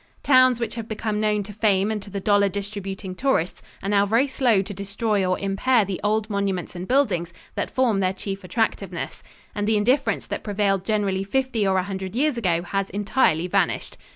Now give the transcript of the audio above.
Towns which have become known to fame and to the dollar distributing tourists are now very slow to destroy or impair the old monuments and buildings that form their chief attractiveness, and the indifference that prevailed generally fifty or a hundred years ago has entirely vanished.